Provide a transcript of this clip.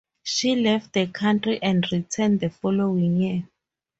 She left the country and returned the following year.